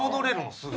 すぐ。